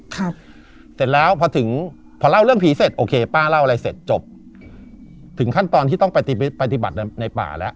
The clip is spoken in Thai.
เสร็จแล้วพอถึงพอเล่าเรื่องผีเสร็จโอเคป้าเล่าอะไรเสร็จจบถึงขั้นตอนที่ต้องไปปฏิบัติในในป่าแล้ว